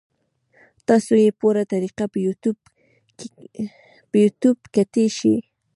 تاسو ئې پوره طريقه پۀ يو ټيوب کتے شئ -